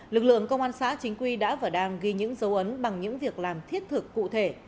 lực lượng công an xã chính quy đã và đang ghi những dấu ấn bằng những việc làm thiết thực cụ thể